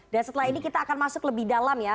dan setelah ini kita akan masuk lebih dalam ya